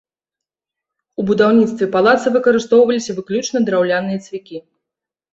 У будаўніцтве палаца выкарыстоўваліся выключна драўляныя цвікі!